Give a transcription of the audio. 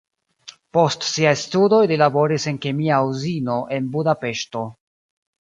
Post siaj studoj li laboris en kemia uzino en Budapeŝto.